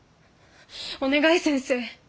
お願い先生